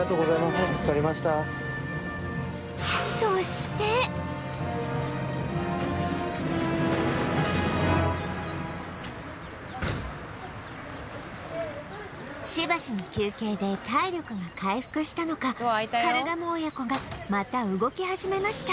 しばしの休憩で体力が回復したのかカルガモ親子がまた動き始めました